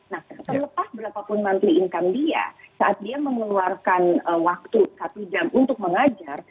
nah terlepas berapapun montle income dia saat dia mengeluarkan waktu satu jam untuk mengajar